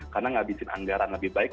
karena ngabisin anggaran lebih baik